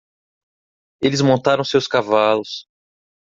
Eles montaram seus cavalos.